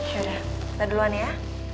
ya udah kita duluan ya